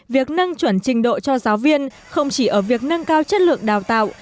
việc nâng chuẩn trình độ cho giáo viên không chỉ ở việc nâng cao chất lượng đào tạo